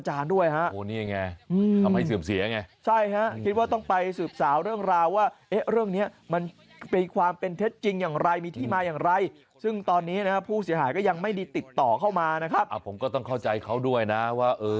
มาขอปืนมาขอปืนมาขอปืนมาขอปืนมาขอปืนมาขอปืนมาขอปืนมาขอปืนมาขอปืนมาขอปืนมาขอปืนมาขอปืนมาขอปืนมาขอปืนมาขอปืนมา